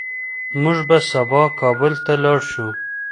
موږ به سبا کابل ته لاړ شو